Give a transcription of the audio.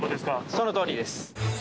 そのとおりです。